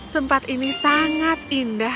sempat ini sangat indah